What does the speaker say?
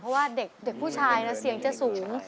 เพราะว่าเด็กผู้ชายเสียงจะสูง